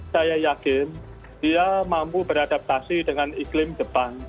saya yakin dia mampu beradaptasi dengan iklim depan